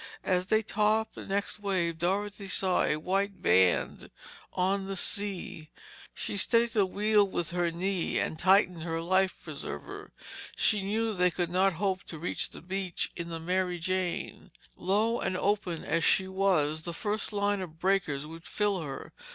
As they topped the next wave Dorothy saw a white band on the sea. She steadied the wheel with her knee and tightened her life preserver. She knew they could not hope to reach the beach in the Mary Jane. Low and open as she was, the first line of breakers would fill her.